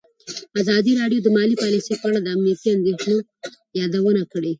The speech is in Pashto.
ازادي راډیو د مالي پالیسي په اړه د امنیتي اندېښنو یادونه کړې.